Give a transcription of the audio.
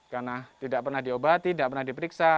karena tidak pernah diobati tidak pernah diperiksa